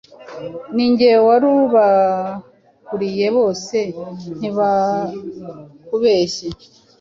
ninjye warubakuriye bose ntibakubeshye